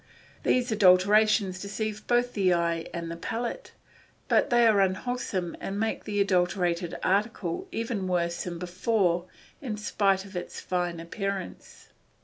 These adulterations deceive both the eye and the palate, but they are unwholesome and make the adulterated article even worse than before in spite of its fine appearance.